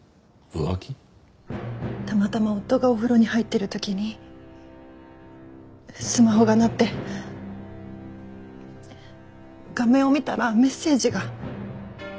たまたま夫がお風呂に入っている時にスマホが鳴って画面を見たらメッセージが。